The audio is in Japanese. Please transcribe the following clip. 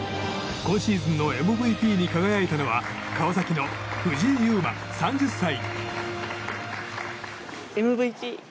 今シーズンのＭＶＰに輝いたのは川崎の藤井祐眞、３０歳。